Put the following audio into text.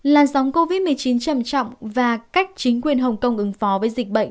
làn sóng covid một mươi chín trầm trọng và cách chính quyền hồng kông ứng phó với dịch bệnh